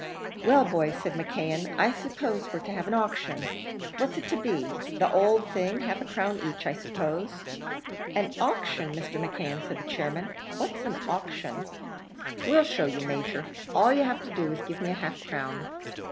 "Well, boys!" said McKeon; "I suppose we're to have an auction. What's it to be? the owld thing half a crown each, I suppose?" "An auction, Mr. McKeon!" said the chairman. "What's an auction?" "We'll show you, Major. All you've to do is to give me half a crown."